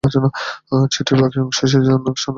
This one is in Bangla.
চিঠির বাকি অংশ সে অনেক সন্ধান করিয়াও পায় নাই।